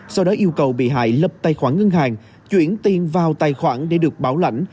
sau đó yêu cầu bị hại lập tài khoản ngân hàng chuyển tiền vào tài khoản để được bảo lãnh